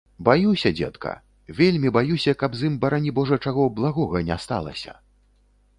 Баюся, дзедка, вельмі баюся, каб з ім, барані божа, чаго благога не сталася.